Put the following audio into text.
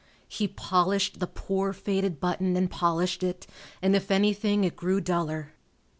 He polished the poor faded button and polished it, and if anything it grew duller.